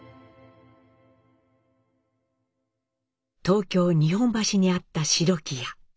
東京・日本橋にあった白木屋。